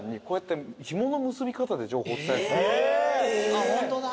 あっホントだ。